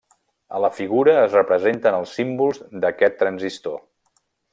A la figura es representen els símbols d'aquest transistor.